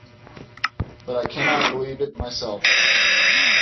But I cannot believe it myself.